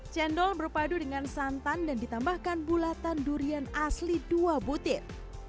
cendol berpadu dengan santan dan ditambahkan bulatan durian asli dua butir